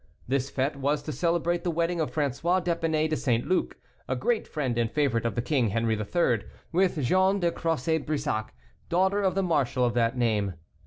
This fête was to celebrate the wedding of François d'Epinay de St. Luc, a great friend and favorite of the king, Henri III., with Jeanne de Crossé Brissac, daughter of the marshal of that name.